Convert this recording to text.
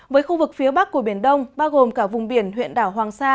với khu vực phía bắc của biển đông bao gồm cả vùng biển huyện đảo hoàng sa